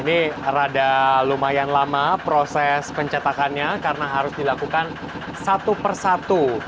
ini rada lumayan lama proses pencetakannya karena harus dilakukan satu persatu